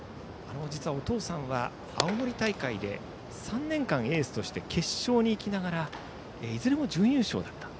実は、お父さんは青森大会で３年間、エースとして決勝に行きながらいずれも準優勝だったと。